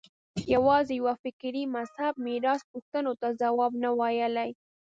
یوازې یوه فکري مذهب میراث پوښتنو ته ځواب نه ویلای